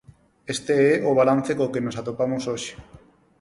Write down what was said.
Este é o balance co que nos atopamos hoxe.